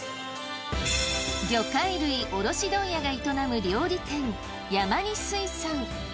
魚介類卸問屋が営む料理店やまに水産。